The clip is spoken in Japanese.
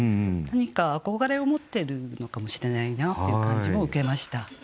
何か憧れを持ってるのかもしれないなっていう感じも受けました。